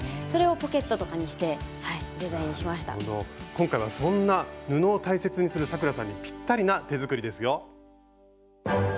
今回はそんな布を大切にする咲楽さんにピッタリな手作りですよ。